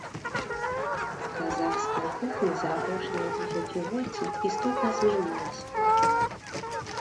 Казахская кухня за апошнія дзесяцігоддзі істотна змянілася.